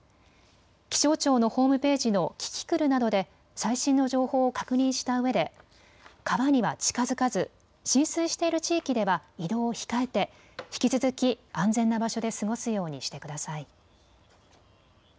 気象庁のホームページのキキクルなどで最新の情報を確認したうえで川には近づかず、浸水している地域では移動を控えて引き続き安全な場所で過ごすようにしてください。